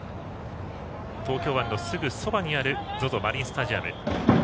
東京湾のすぐそばにあるＺＯＺＯマリンスタジアム。